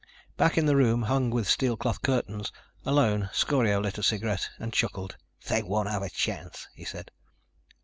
Back in the room hung with steel cloth curtains, alone, Scorio lit a cigarette and chuckled. "They won't have a chance," he said.